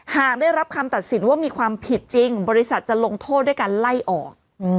หากได้รับคำตัดสินว่ามีความผิดจริงบริษัทจะลงโทษด้วยการไล่ออก